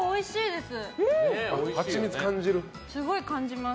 すごい感じます。